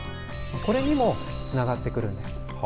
これにもつながってくるんです。